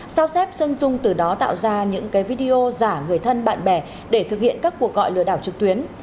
sao xếp dân dung từ đó tạo ra những cái video giả người thân bạn bè để thực hiện các cuộc gọi lừa đảo trực tuyến